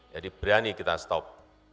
jadi berani kita stop